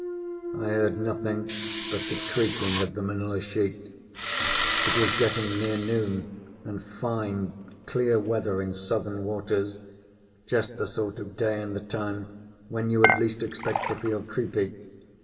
I heard nothing but the creaking of the manilla sheet. It was getting near noon, and fine, clear weather in southern waters, just the sort of day and the time when you would least expect to feel creepy.